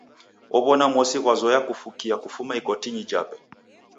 Ow'ona mosi ghwazoya kufukia kufuma ikotinyi jape.